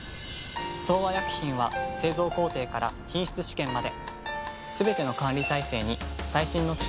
東和薬品は製造工程から品質試験まですべての管理体制に最新の機器や技術を導入。